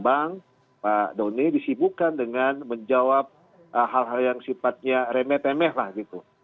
dan pak doni disibukkan dengan menjawab hal hal yang sifatnya remeh pemeh lah gitu